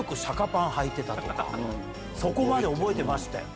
そこまで覚えてましたよね。